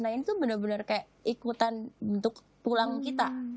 nah ini tuh benar benar kayak ikutan bentuk tulang kita